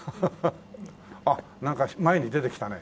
あっなんか前に出てきたね